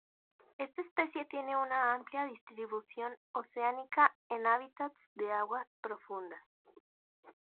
Esta especie tiene una amplia distribución oceánica en hábitats de aguas profundas.